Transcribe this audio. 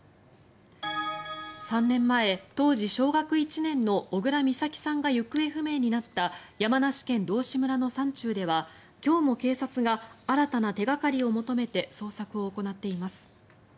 ３年前、当時小学１年の小倉美咲さんが行方不明になった山梨県道志村の山中では今日も警察が新たな手掛かりを求めて捜索を行っています。